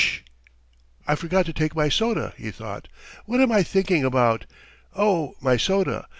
"I forgot to take my soda," he thought. "What am I thinking about? Oh my soda.